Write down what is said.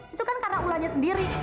itu kan karena ulahnya sendiri